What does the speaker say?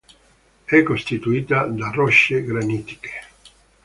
È costituita da rocce granitiche.